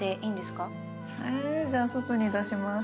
じゃあ外に出します。